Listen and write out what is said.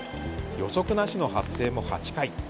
予測なしの発生も８回。